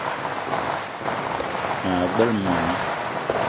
Maa gbele moni